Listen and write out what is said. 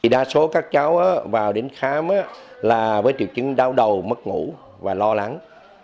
đa số các cháu vào đến khám là với triệu chứng đau đầu mất ngủ và lo lắng